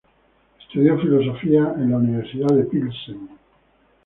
Estudió filosofía en la Universidad de Pilsen.